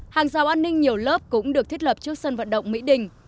hàng rào an ninh nhiều lớp cũng được thiết lập trước sân vận động mỹ đình